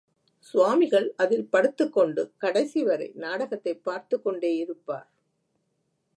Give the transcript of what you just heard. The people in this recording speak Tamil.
சுவாமிகள் அதில் படுத்துக்கொண்டு கடைசிவரை நாடகத்தைப் பார்த்துக்கொண்டேயிருப்பார்.